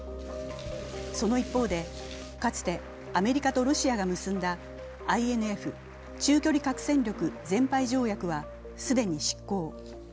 その一方で、かつてアメリカとロシアが結んだＩＮＦ＝中距離核戦力全廃条約は既に失効。